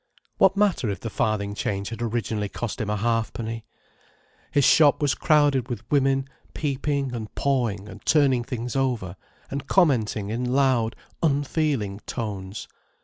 What matter if the farthing change had originally cost him a halfpenny! His shop was crowded with women peeping and pawing and turning things over and commenting in loud, unfeeling tones.